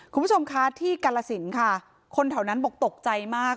คุณผู้ชมคะที่กาลสินค่ะคนแถวนั้นบอกตกใจมาก